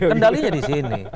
kendalinya di sini